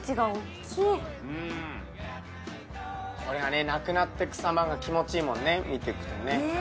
これがねなくなってく様が気持ちいいもんね見ていくとね。